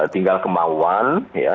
tinggal kemauan ya